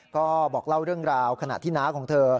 ก็บอกเล่าเรื่องราวขณะที่น้าของเธอ